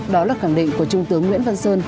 đó là khẳng định của trung tướng nguyễn văn sơn